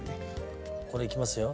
これいきますよ。